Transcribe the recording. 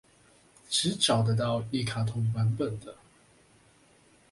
只找得到一卡通版本的